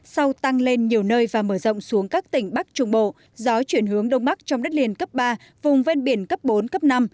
sau tăng lên nhiều nơi và mở rộng xuống các tỉnh bắc trung bộ gió chuyển hướng đông bắc trong đất liền cấp ba vùng ven biển cấp bốn cấp năm